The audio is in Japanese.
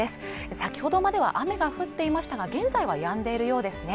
先ほどまでは雨が降っていましたが現在はやんでいるようですね